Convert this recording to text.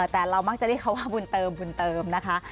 แต่เรามักจะเรียกเขาว่าบุญเติมนะคะ